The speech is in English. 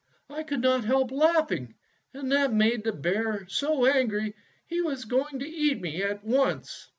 I could not help laughing, and that made the bear so angry he was going to eat me at once.